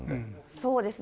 そうですね。